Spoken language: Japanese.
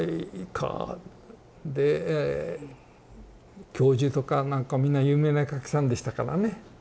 で教授とかなんかみんな有名な絵描きさんでしたからね。